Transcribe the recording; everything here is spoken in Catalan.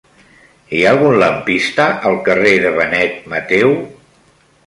Hi ha algun lampista al carrer de Benet Mateu?